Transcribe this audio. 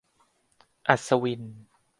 - อัศวิน